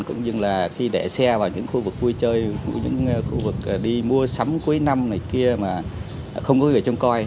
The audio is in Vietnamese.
cũng như là khi để xe vào những khu vực vui chơi của những khu vực đi mua sắm cuối năm này kia mà không có người trông coi